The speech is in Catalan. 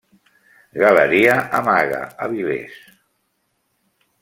Galeria Amaga, Avilés.